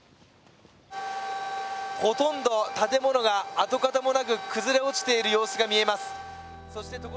ほとんどが、建物が跡形もなく崩れ落ちているのが見えます。